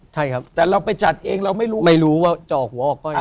ใช่ครับแต่เราไปจัดเองเราไม่รู้ไม่รู้ว่าจะออกหัวออกก็ยัง